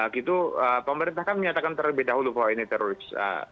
gitu pemerintah kan menyatakan terlebih dahulu bahwa ini teroris